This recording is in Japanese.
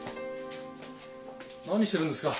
何してるんですか？